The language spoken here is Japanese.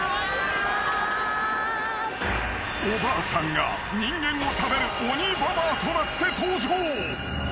［おばあさんが人間を食べる鬼ババアとなって登場］